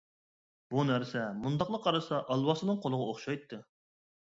بۇ نەرسە مۇنداقلا قارىسا ئالۋاستىنىڭ قولىغا ئوخشايتتى.